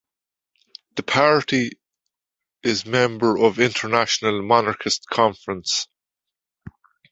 The party is member of International Monarchist Conference.